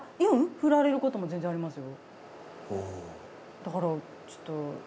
振られることもありますよ